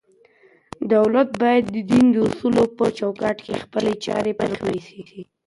دولت بايد د دين د اصولو په چوکاټ کي خپلي چارې پر مخ يوسي.